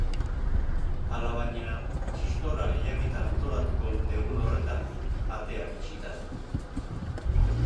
Alabaina, txistorra lehiaketa antolatuko dute egun horretan, ateak itxita.